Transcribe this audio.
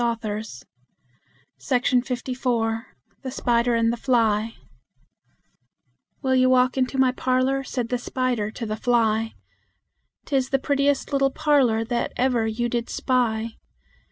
ROBERT LOUIS STEVENSON THE SPIDER AND THE FLY "Will you walk into my parlor?" said the spider to the fly; "'Tis the prettiest little parlor that ever you did spy.